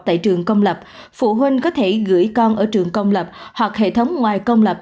tại trường công lập phụ huynh có thể gửi con ở trường công lập hoặc hệ thống ngoài công lập